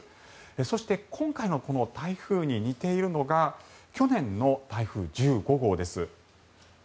そして今回の台風に似ているのが去年の台風１５号です。